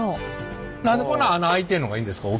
何でこんな穴開いてんのがいいんですか？